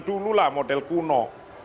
dululah model kuno